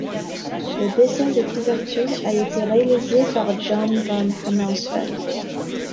Le dessin de couverture a été réalisé par John Von Hammersveld.